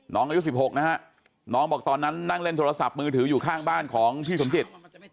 อายุ๑๖นะฮะน้องบอกตอนนั้นนั่งเล่นโทรศัพท์มือถืออยู่ข้างบ้านของพี่สมจิต